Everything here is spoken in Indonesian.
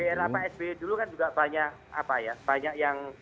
dari apa sby dulu kan juga banyak apa ya